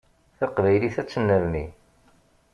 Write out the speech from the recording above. Taqbaylit ad tennerni.